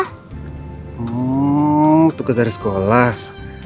hmm tugas dari sekolah